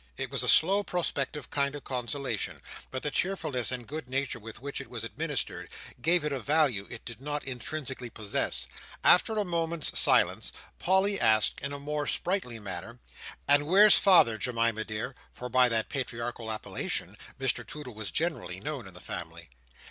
It was a slow, prospective kind of consolation; but the cheerfulness and good nature with which it was administered, gave it a value it did not intrinsically possess. After a moment's silence, Polly asked, in a more sprightly manner: "And where's Father, Jemima dear?"—for by that patriarchal appellation, Mr Toodle was generally known in the family.